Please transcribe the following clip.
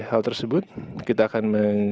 hal tersebut kita akan